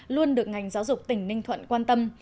luôn được ngành giáo dục tỉnh ninh thuận quan tâm